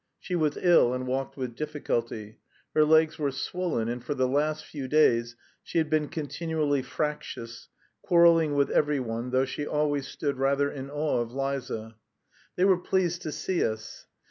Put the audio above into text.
She was ill and walked with difficulty. Her legs were swollen, and for the last few days she had been continually fractious, quarrelling with every one, though she always stood rather in awe of Liza. They were pleased to see us.